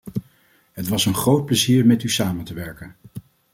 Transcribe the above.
Het was een groot plezier met u samen te werken!